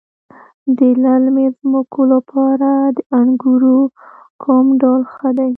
د للمي ځمکو لپاره د انګورو کوم ډول ښه دی؟